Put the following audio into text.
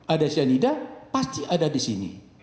ada cyanida pasti ada disini